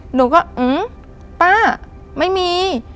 หนูก็ป้าไม่มี